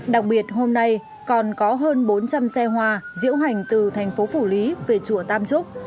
đặc biệt hôm nay còn có hơn bốn trăm linh xe hoa diễu hành từ thành phố phủ lý về chùa tam trúc